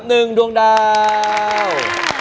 หนึ่งดวงดาว